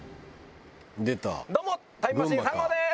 どうもタイムマシーン３号です。